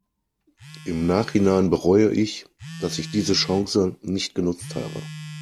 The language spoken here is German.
Im Nachhinein bereue ich, dass ich diese Chance nicht genutzt habe.